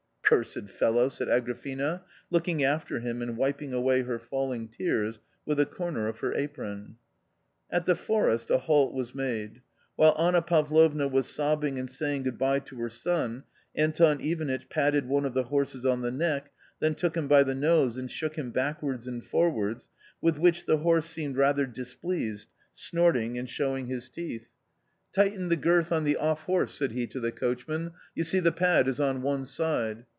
" Cursed fellow !" said Agrafena, looking after him and wiping away her falling tears with a corner of her apron. At the forest a halt was made. While Anna Pavlovna was sobbing and saying good by to her son, Anton Ivanitch patted one of the horses on the neck, then took him by the nose and shook him backwards and forwards, with which the horse seemed rather displeased, snorting and showing his teeth. 24 A COMMON STORY li Tighten the girth on the off horse," said he to the coachman, " you see the pad is on one side."